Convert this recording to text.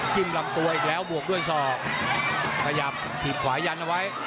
ลำตัวอีกแล้วบวกด้วยศอกขยับถีบขวายันเอาไว้